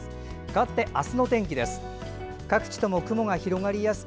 かわって明日のお天気です。